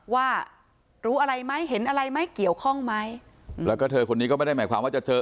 ว่ารู้อะไรไหมเห็นอะไรไหมเกี่ยวข้องไหมแล้วก็เธอคนนี้ก็ไม่ได้หมายความว่าจะเจอ